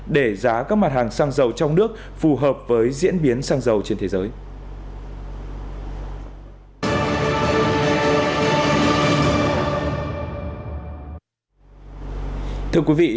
để giá các mặt hàng xăng dầu trong nước phù hợp với diễn biến xăng dầu trên thế giới